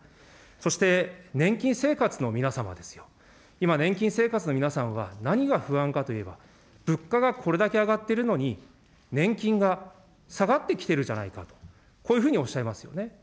そして、年金生活の皆様ですよ、今、年金生活の皆さんは、何が不安かといえば、物価がこれだけ上がってるのに、年金が下がってきてるじゃないかと、こういうふうにおっしゃいますよね。